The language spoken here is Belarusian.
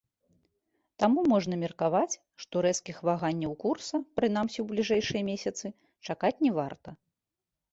Таму можна меркаваць, што рэзкіх ваганняў курса, прынамсі ў бліжэйшыя месяцы, чакаць не варта.